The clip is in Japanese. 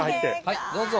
はいどうぞ。